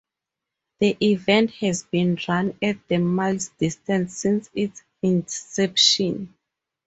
The event has been run at the miles distance since its inception.